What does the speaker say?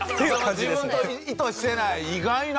自分と意図してない意外な。